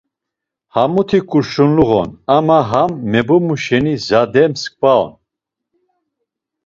Hamuti t̆urşuluğon, ama ham mebumu şena zade msǩva on.